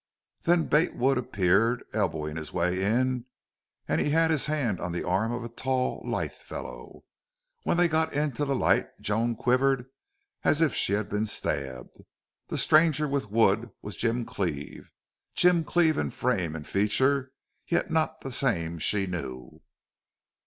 Then Bate Wood appeared, elbowing his way in, and he had his hand on the arm of a tall, lithe fellow. When they got into the light Joan quivered as if she had been stabbed. That stranger with Wood was Jim Cleve Jim Cleve in frame and feature, yet not the same she knew.